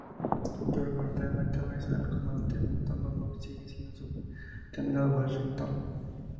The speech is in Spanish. George golpea en la cabeza al comandante matándolo y sigue su camino a Washington.